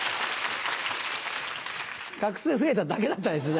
画数増えただけだったですね。